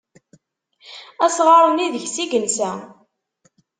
Asɣar-nni deg-s i yensa.